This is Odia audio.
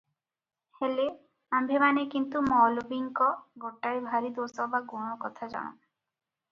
ହେଲେ ଆମ୍ଭେମାନେ କିନ୍ତୁ ମୌଲବୀଙ୍କ ଗୋଟାଏ ଭାରି ଦୋଷ ବା ଗୁଣ କଥା ଜାଣୁ